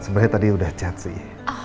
sebenarnya tadi udah chat sih